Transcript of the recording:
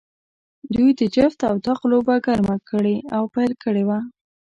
دوی د جفت او طاق لوبه ګرمه کړې او پیل کړې وه.